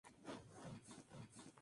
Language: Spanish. Miembro de la Asociación de Fiscales.